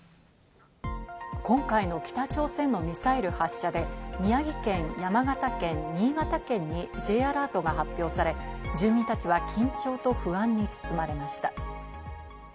今回の北朝鮮のミサイル発射で宮城県、山形県、新潟県にＪアラートが発表され、住民たちは緊張と不安に包まれました。